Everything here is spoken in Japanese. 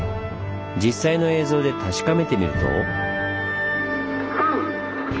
実際の映像で確かめてみると。